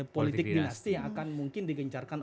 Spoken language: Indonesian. politik dinasti yang akan mungkin digencarkan